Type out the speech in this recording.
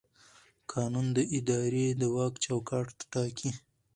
قانون د ادارې د واک چوکاټ ټاکي.